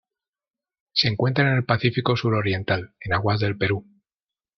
Se encuentra en el Pacífico suroriental, en aguas del Perú.